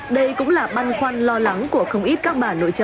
đây cũng là băn khoăn lo lắng của không ít các bà nội trợ